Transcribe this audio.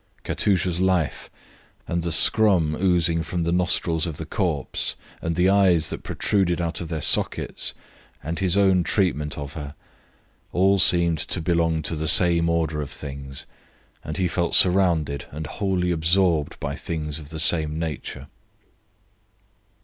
Katusha's life, and the scrum oozing from the nostrils of the corpse, and the eyes that protruded out of their sockets, and his own treatment of her all seemed to belong to the same order of things, and he felt surrounded and wholly absorbed by things of the same nature.